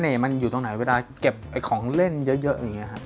นี่มันอยู่ตรงไหนเวลาเก็บของเล่นเยอะอย่างนี้ครับ